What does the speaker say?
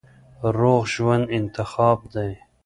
روغ ژوند انتخاب دی.